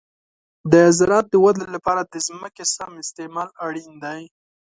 د زراعت د ودې لپاره د ځمکې سم استعمال اړین دی.